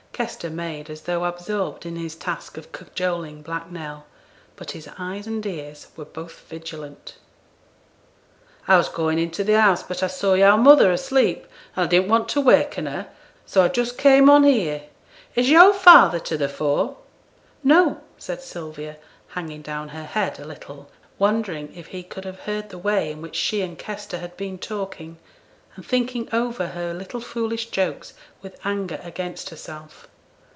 Kester made as though absorbed in his task of cajoling Black Nell; but his eyes and ears were both vigilant. 'I was going into the house, but I saw yo'r mother asleep, and I didn't like to waken her, so I just came on here. Is yo'r father to the fore?' 'No,' said Sylvia, hanging down her head a little, wondering if he could have heard the way in which she and Kester had been talking, and thinking over her little foolish jokes with anger against herself.